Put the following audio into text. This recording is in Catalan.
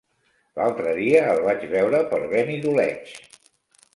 L'altre dia el vaig veure per Benidoleig.